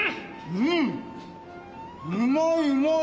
うんうまいうまい。